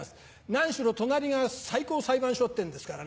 何しろ隣が最高裁判所ってんですからね。